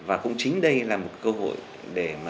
và cũng chính đây là một cơ hội để các nhà đầu tư